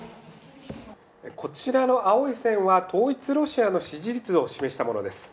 こちらの青い線は統一ロシアの支持率を示したものです。